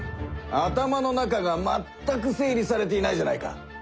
頭の中がまったく整理されていないじゃないか。